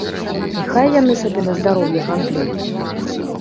І хай яны сабе на здароўе гандлююць.